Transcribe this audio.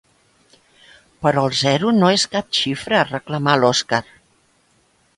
Però el zero no és cap xifra —reclama l'Òskar.